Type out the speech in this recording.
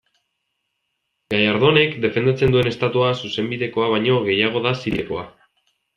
Gallardonek defendatzen duen Estatua, zuzenbidekoa baino, gehiago da zirinbidekoa.